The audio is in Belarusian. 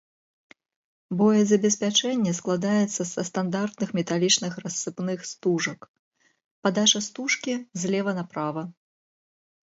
Боезабеспячэнне складаецца са стандартных металічных рассыпных стужак, падача стужкі злева направа.